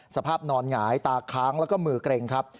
สภาพนอนหงายตาค้างแล้วก็มือเกร็งครับ